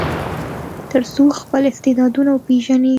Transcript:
تر څو خپل استعدادونه وپیژني.